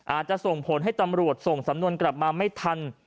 อาจจะส่งผลให้ตำรวจส่งสำนวนกลับมาไม่ทัน